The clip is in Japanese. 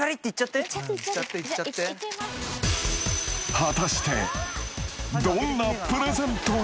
果たしてどんなプレゼントが？